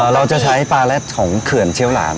เราจะใช้ปลาแร็ดของเขื่อนเชียวหลาม